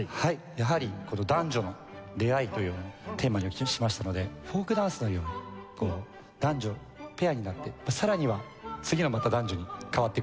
やはり男女の出会いというのをテーマにしましたのでフォークダンスのように男女ペアになってさらには次のまた男女に変わっていくという。